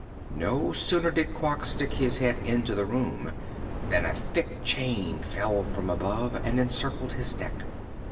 No sooner did Quox stick his head into the room than a thick chain fell from above and encircled his neck.